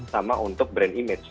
sama untuk brand image